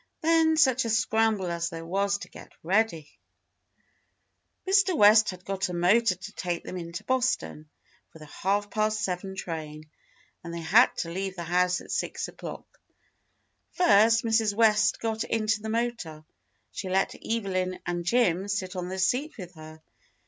Then such a scramble as there was to get ready !' Mr. West had got a motor to take them into Boston for the half past seven train, and they had to leave the house at six o'clock. First Mrs. West got into the motor; she let Evelyn and Jim sit on the seat with her.